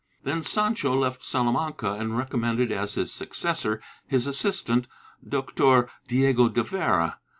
Then Sancho left Salamanca and recommended as his successor his assistant Doctor Diego de Vera.